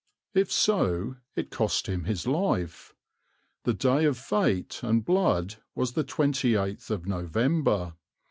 If so, it cost him his life. The day of fate and blood was the 28th of November.